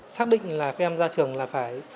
xác định là các em ra trường là phải